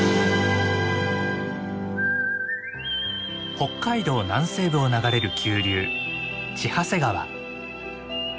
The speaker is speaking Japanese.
北海道南西部を流れる急流千走川。